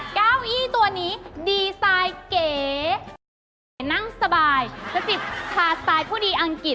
เก้าอี้ตัวนี้ดีไซน์เก๋นั่งสบายสติบทาสไตล์ผู้ดีอังกฤษ